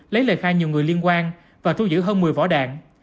lấy lời khai nhiều người liên quan và thu giữ hơn một mươi vỏ đạn